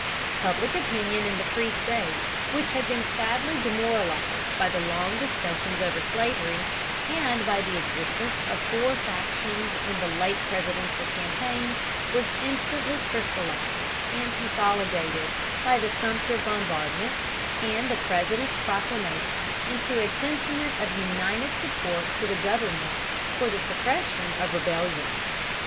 Public opinion in the free States, which had been sadly demoralized by the long discussions over slavery, and by the existence of four factions in the late presidential campaign, was instantly crystallized and consolidated by the Sumter bombardment and the President's proclamation into a sentiment of united support to the government for the suppression of the rebellion.